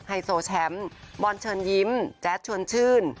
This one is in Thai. ไฮโซแชมป์บอลเชิญยิ้มแจ๊ดชวนชื่น